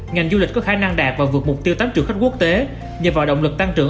ngành du lịch có khả năng đạt và vượt mục tiêu tám triệu khách quốc tế nhờ vào động lực tăng trưởng